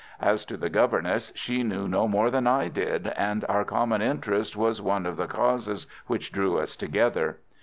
As to the governess, she knew no more than I did, and our common interest was one of the causes which drew us together.